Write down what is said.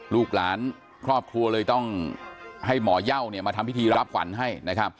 ลูกหลานครอบครัวเลยต้องให้หมอยาวมาทำพิธีรับฝันให้